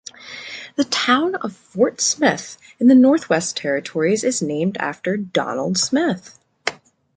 The Town of Fort Smith in the Northwest Territories is named after Donald Smith.